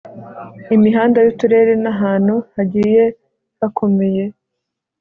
imihanda y Uturere n ahantu hagiye hakomeye